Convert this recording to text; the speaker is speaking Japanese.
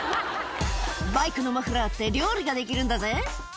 バイクのマフラーって、料理ができるんだぜ。